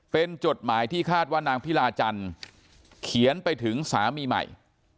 เป็นจดหมายที่คาดว่านางพิลาจันทร์เขียนไปถึงสามีใหม่